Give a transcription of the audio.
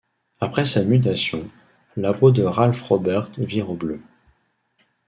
Après sa mutation, la peau de Ralph Roberts vire au bleu.